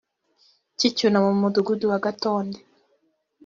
cy icyunamo mu mudugudu wa gatonde